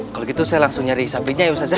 kalau gitu saya langsung nyari sapinya ya ustazah